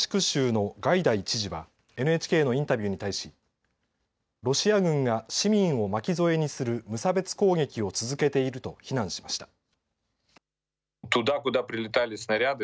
州のガイダイ知事はＮＨＫのインタビューに対しロシア軍が市民を巻き添えにする無差別攻撃を続けていると非難しました。